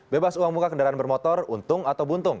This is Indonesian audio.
bebas uang muka kendaraan bermotor untung atau buntung